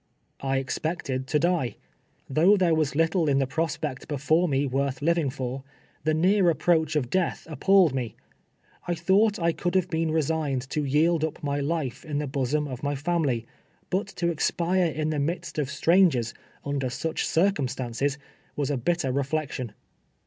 I expected to die. Though there was little in the prospect before me worth living for, the near approach of death appalled me. I thought I could have been resigned to yield up my life in the bosom of my family, but to expii e in the midst of strangers, under such circumstances, was a bitter reflection.